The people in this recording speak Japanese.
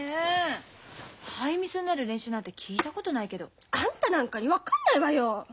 ハイミスになる練習なんて聞いたことないけど。あんたなんかに分かんないわよ！